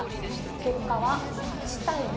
結果は８対２。